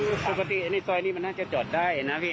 สุขภาษณ์นี้ซอยนี้มันน่าจะจอดได้นะพี่